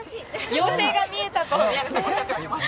妖精が見えたと宮根さんがおっしゃっております。